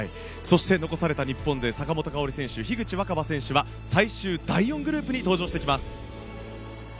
そして残された日本勢坂本花織選手、樋口新葉選手は最終第４グループに登場してきます。